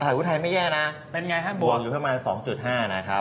พุทธไทยไม่แย่นะบวกอยู่ประมาณ๒๕นะครับ